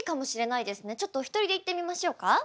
ちょっとお一人で言ってみましょうか？